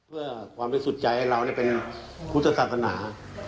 เพื่อความบริสุทธิ์ใจให้เราเป็นพุทธศาสนา